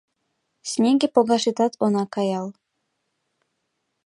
Кснеге погашетат она каял